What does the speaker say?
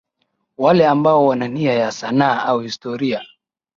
Wale ambao wana nia ya sanaa au historia